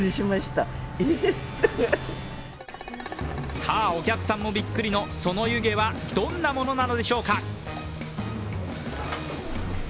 さあ、お客さんもビックリのその湯気はどんなものなのでしょうか。